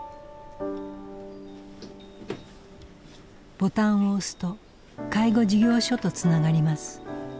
ボタンを押すと介護事業所とつながります。